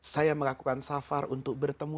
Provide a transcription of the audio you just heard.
saya melakukan safar untuk bertemu